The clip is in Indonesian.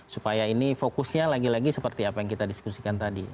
supaya ini fokusnya lagi lagi seperti apa yang kita diskusikan tadi